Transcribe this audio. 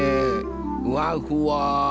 ふわふわ。